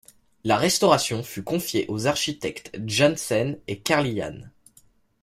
La restauration fut confiée aux architectes Jansen et Carlhian.